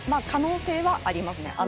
可能性はありますね。